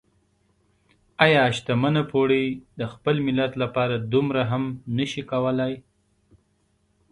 ايا شتمنه پوړۍ د خپل ملت لپاره دومره هم نشي کولای؟